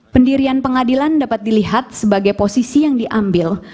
pendirian pengadilan dapat dilihat sebagai posisi yang diambil